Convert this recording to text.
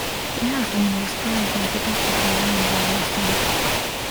It has been described as a top of the line Bible study program.